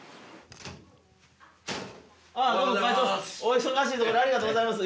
どうも会長お忙しいところありがとうございます。